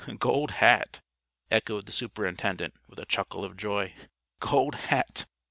"Gold Hat!" echoed the Superintendent, with a chuckle of joy. "Gold Hat!